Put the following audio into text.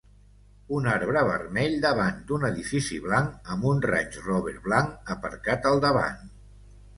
Un arbre vermell davant d'un edifici blanc amb un Range Rober blanc aparcat al davant